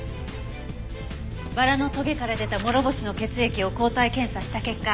バラのトゲから出た諸星の血液を抗体検査した結果。